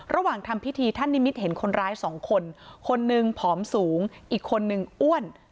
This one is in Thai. ระหว่างทำพิธีท่านนิมิตเห็นคนร้ายสองคนคนหนึ่งผอมสูงอีกคนนึงอ้วน